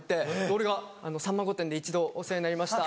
俺が「『さんま御殿‼』で一度お世話になりました。